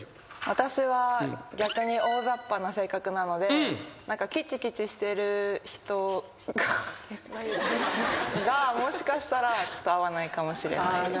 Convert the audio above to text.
私は逆に大ざっぱな性格なのでキチキチしてる人がもしかしたら合わないかもしれないです。